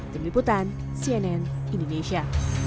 demi putan cnn indonesia